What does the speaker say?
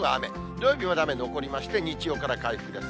土曜日まで雨残りまして、日曜から回復です。